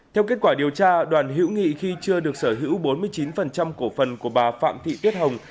theo kết quả điều tra đoàn hiễu nghị khi chưa được sở hữu bốn mươi chín cổ phần của bà phạm thị tiết hồng